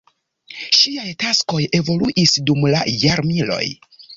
Ŝiaj taskoj evoluis dum la jarmiloj.